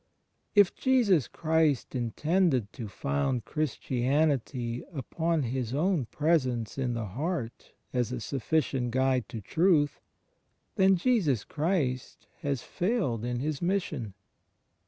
If Jesus Christ intended to found Chris tianity upon His own Presence in the heart as a sufficient guide to truth — then Jesus Christ has failed in His Mission.